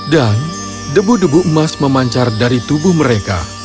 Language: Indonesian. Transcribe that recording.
dan debu debu emas memancar dari tubuh mereka